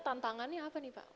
tantangannya apa nih mbak